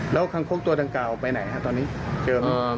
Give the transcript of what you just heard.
แล้วคางคกตัวดังกล่าวไปไหนครับตอนนี้เจอไหม